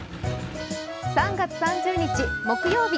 ３月３０日木曜日。